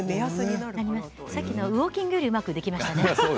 さっきのウォーキングよりもうまくできましたね。